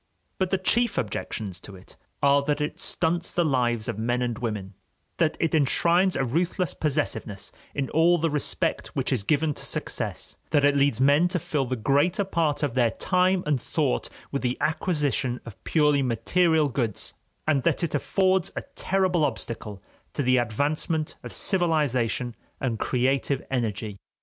But the chief objections to it are that it stunts the lives of men and women, that it enshrines a ruthless possessiveness in all the respect which is given to success, that it leads men to fill the greater part of their time and thought with the acquisition of purely material goods, and that it affords a terrible obstacle to the advancement of civilization and creative energy.